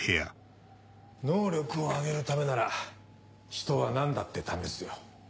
能力を上げるためなら人は何だって試すよ。